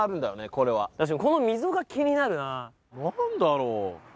これはこの溝が気になるな何だろう？